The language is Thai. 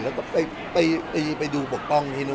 แล้วก็ไปดูปกป้องที่นู่น